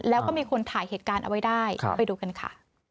แล้วก็มีคนถ่ายเหตุการณ์เอาไว้ได้ไปดูกันค่ะ